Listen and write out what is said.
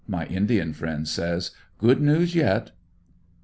My Indian friend says: ''good news yet."